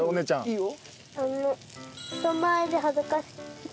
いいよ。